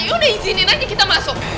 ya udah izinin aja kita masuk